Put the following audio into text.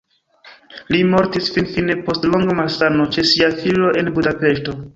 Li mortis finfine post longa malsano ĉe sia filo en Budapeŝto.